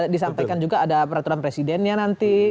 disampaikan juga ada peraturan presidennya nanti